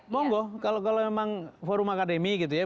monggo kalau memang forum akademi gitu ya